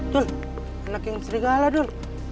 dul anak yang serigala dul